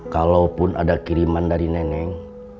kalaupun ada kiriman dari neneng